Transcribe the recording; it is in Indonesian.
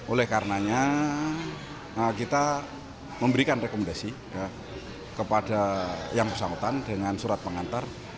oleh karenanya kita memberikan rekomendasi kepada yang bersangkutan dengan surat pengantar